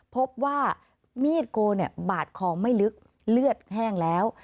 พบว่ามีดโกบาดคอไม่ลึกเลือดแห้งแล้ว